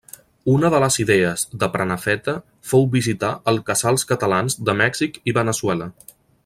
Una de les idees de Prenafeta fou visitar el Casals Catalans de Mèxic i Veneçuela.